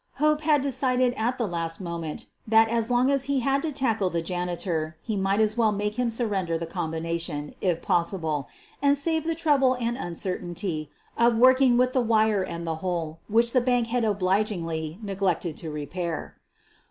Hope had decided at the last moment that as long as he had to tackle the janitor he might as well make him surrender the combination, if possible, and save the trouble and uncertainty of working with the wire and the hole which the bank had obligingly neglected to repair.